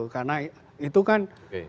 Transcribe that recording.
karena itu kan